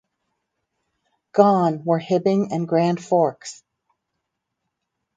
Gone were Hibbing and Grand Forks.